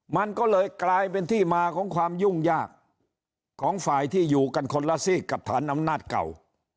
มันก็เลยกลายเป็นที่มาของความยุ่งยากของฝ่ายที่อยู่กันคนละซีกกับฐานอำนาจเก่า